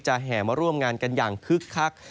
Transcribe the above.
แห่มาร่วมงานกันอย่างคึกคัก